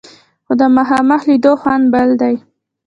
خو د مخامخ لیدلو خوند بل دی.